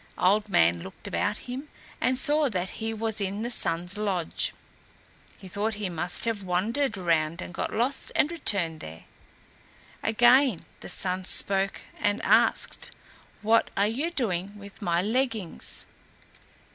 Old Man looked about him and saw that he was in the Sun's lodge. He thought he must have wandered around and got lost and returned there. Again the Sun spoke, and asked, "What are you doing with my leggings?"